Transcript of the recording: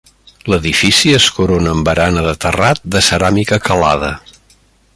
L'edifici es corona amb barana de terrat de ceràmica calada.